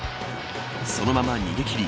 そのまま逃げ切り